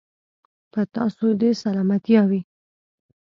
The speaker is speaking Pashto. په تاسو دې سلامتيا وي.